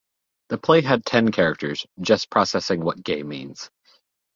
The play had ten characters "just processing what gay means".